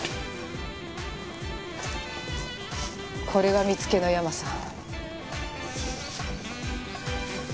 これが見つけのヤマさん。